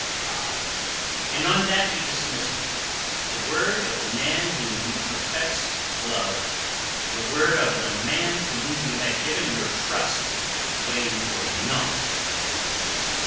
"Ay, and on that you dismissed me—the word of the man whom you professed to love, the word of the man to whom you had given your trust weighing for naught with you."